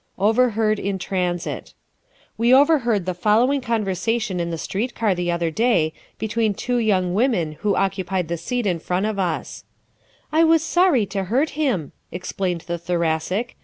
Overheard in Transit ¶ We overheard the following conversation in the street car the other day between two young women who occupied the seat in front of us: "I was sorry to hurt him," explained the Thoracic.